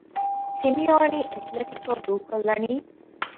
ސިމިއޯނީ އެތުލެޓިކޯ ދޫކޮށްލަނީ؟